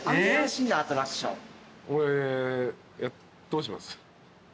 どうします？